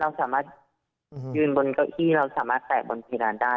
เราสามารถยืนบนเก้าอี้เราสามารถแตะบนเพดานได้